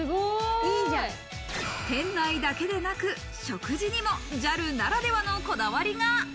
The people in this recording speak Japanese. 店内だけでなく食事にもＪＡＬならではのこだわりが。